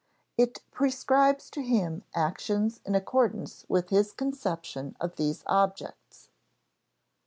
It prescribes to him actions in accordance with his conception of these objects.